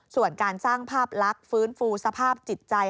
ส่วนการสร้างภาพลักษณ์ฟื้นฟูสภาพจิตใจ